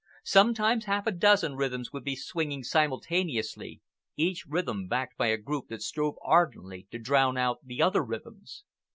Sometimes half a dozen rhythms would be swinging simultaneously, each rhythm backed by a group that strove ardently to drown out the other rhythms.